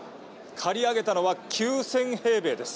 借り上げたのは９０００平米です。